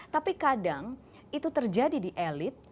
tapi kadang itu terjadi di elit